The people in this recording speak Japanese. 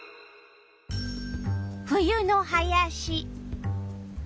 冬の林。